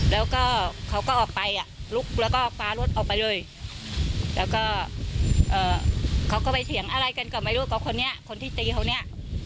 แล้วก็เขาก็ออกไปอ่ะลุกแล้วก็ฟ้ารถออกไปเลยแล้วก็เขาก็ไปเถียงอะไรกันก็ไม่รู้กับคนนี้คนที่ตีเขาเนี่ย